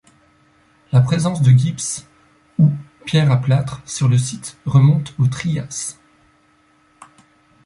La présence de gypse ou pierre à plâtre sur le site remonte au Trias.